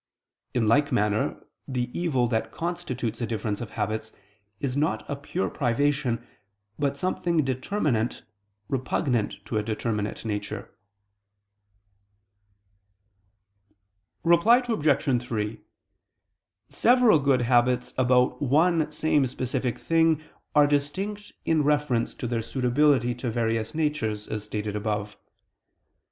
In like manner the evil that constitutes a difference of habits is not a pure privation, but something determinate repugnant to a determinate nature. Reply Obj. 3: Several good habits about one same specific thing are distinct in reference to their suitability to various natures, as stated above.